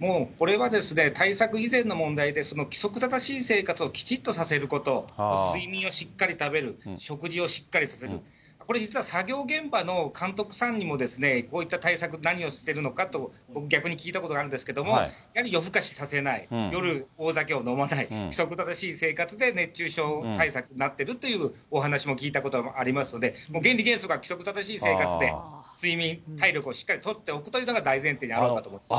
もうこれは、対策以前の問題で、その規則正しい生活をきちっとさせること、睡眠をしっかり食べる、食事をしっかり続ける、これ実は作業現場の監督さんにも、こういった対策、何をしてるのか、僕、逆に聞いたことあるんですけれども、やはり夜ふかしさせない、夜、大酒を飲まない、規則正しい生活で熱中症対策になってるというお話聞いたことありますので、原理原則は規則正しい生活で、睡眠、体力をしっかり取っておくというのが大前提にあるかと思います。